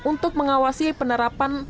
untuk mengawasi penerapan anggaran